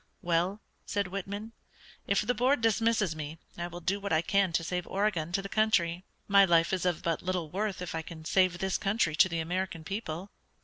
"Well," said Whitman, "if the Board dismisses me, I will do what I can to save Oregon to the country. My life is of but little worth if I can save this country to the American people."